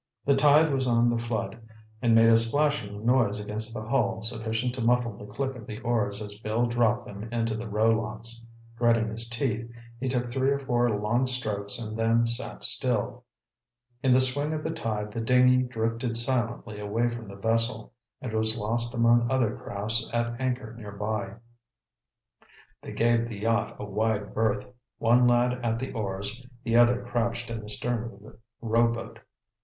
The tide was on the flood and made a splashing noise against the hull sufficient to muffle the click of the oars as Bill dropped them into the row locks. Gritting his teeth, he took three or four long strokes and then sat still. In the swing of the tide the dinghy drifted silently away from the vessel, and was lost among other crafts at anchor nearby. They gave the yacht a wide berth, one lad at the oars, the other crouched in the stern of the rowboat.